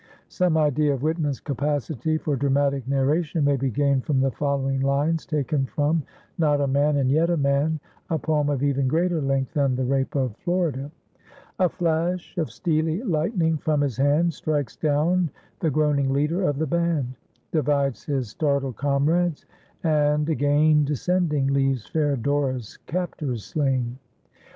Some idea of Whitman's capacity for dramatic narration may be gained from the following lines taken from "Not a Man, and Yet a Man," a poem of even greater length than "The Rape of Florida": "A flash of steely lightning from his hand, Strikes down the groaning leader of the band; Divides his startled comrades, and again Descending, leaves fair Dora's captors slain.